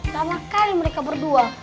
sama kali mereka berdua